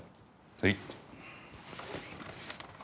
はい。